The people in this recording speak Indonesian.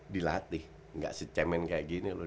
dilatih gak secemen kayak gini lu